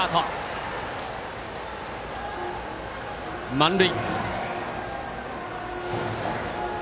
満塁。